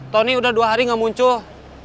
tony udah dua hari gak muncul